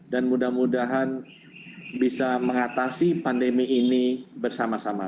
dan mudah mudahan bisa mengatasi pandemi ini bersama sama